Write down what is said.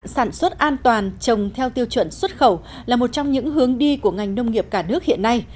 sản xuất an toàn trồng theo tiêu chuẩn xuất khẩu là một trong những hướng đi của ngành nông nghiệp cả nước hiện nay